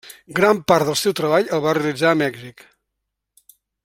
Gran part del seu treball el va realitzar a Mèxic.